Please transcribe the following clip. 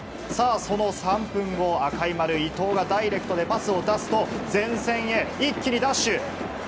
その３分後、赤い丸伊東がダイレクトでパスを出すと前線へ、一気にダッシュ！